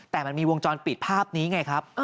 แต่มันมีวงจรปิดภาพนี้ไงครับ